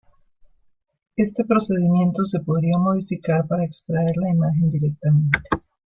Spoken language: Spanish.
Este procedimiento se podría modificar para extraer la imagen directamente.